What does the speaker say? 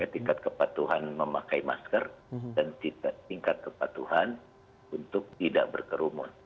tingkat kepatuhan memakai masker dan tingkat kepatuhan untuk tidak berkerumun